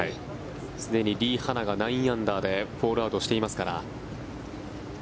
すでにリ・ハナが９アンダーでホールアウトしていますから。